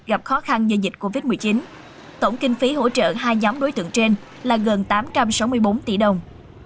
gặp khó khăn do dịch covid một mươi chín tổng kinh phí hỗ trợ hai nhóm đối tượng trên là gần tám trăm sáu mươi bốn tỷ đồng